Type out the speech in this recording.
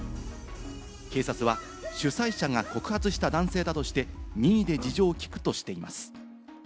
警察は主催者が告発した男性だとして、任意で事情を聞くとしています。